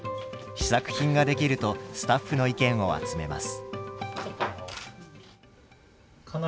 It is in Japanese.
試作品が出来るとスタッフの意見を集めます。